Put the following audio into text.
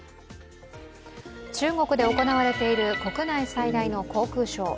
中国で行われている国内最大の航空ショー。